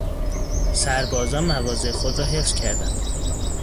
سربازان مواضع خود را حفظ کردند.